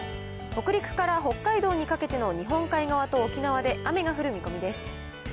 北陸から北海道にかけての日本海側と沖縄で雨が降る見込みです。